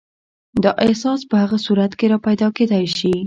دا احساس په هغه صورت کې راپیدا کېدای شي.